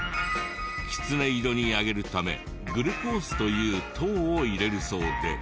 キツネ色に揚げるためグルコースという糖を入れるそうで。